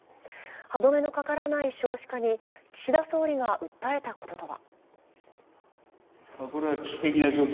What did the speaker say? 歯止めのかからない少子化に岸田総理が訴えたこととは。